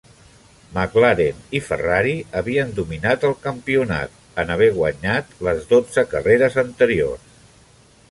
McLaren i Ferrari havien dominat el campionat, en haver guanyat les dotze carreres anteriors.